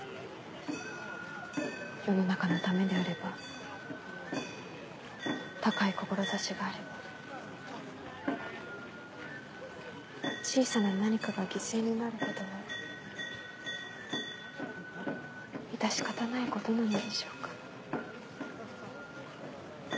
世の中のためであれば高い志があれば小さな何かが犠牲になることは致し方ないことなのでしょうか。